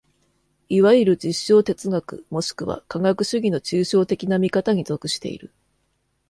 いわゆる実証哲学もしくは科学主義の抽象的な見方に属している。